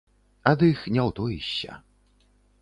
Ад іх не ўтоішся.